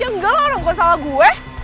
ya enggak orang kok salah gue